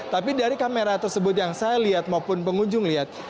tapi dari kamera tersebut yang saya lihat maupun pengunjung lihat